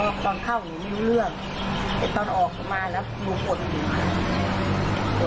พ่อตอนเข้าหนูไม่รู้เรื่องแต่ตอนออกมาแล้วหนูกดหนู